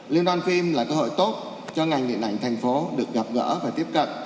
london film là cơ hội tốt cho ngành điện ảnh thành phố được gặp gỡ và tiếp cận